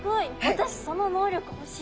私その能力ほしい。